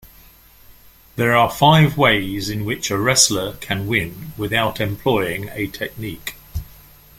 There are five ways in which a wrestler can win without employing a technique.